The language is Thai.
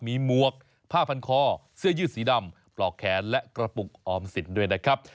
มีหมวกผ้าพันคอเสื้อยืดสีดำปลอกแขนและกระปุกออมสินด้วยนะครับ